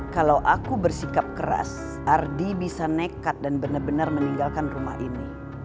kalau aku bersikap keras ardi bisa nekat dan benar benar meninggalkan rumah ini